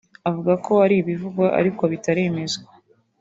avuga ko ari ibivugwa ariko bitaremezwa